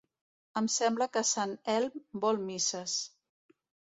Em sembla que sant Elm vol misses!